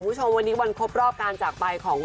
คุณผู้ชมวันนี้วันครบรอบการจากไปของ